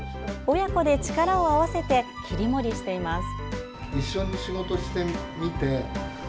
親子で力を合わせて切り盛りしています。